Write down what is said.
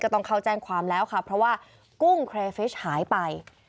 ต้องเข้าแจ้งความแล้วค่ะเพราะว่ากุ้งเครฟิชหายไป